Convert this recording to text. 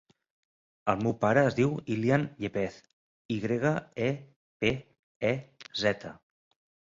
El meu pare es diu Ilyan Yepez: i grega, e, pe, e, zeta.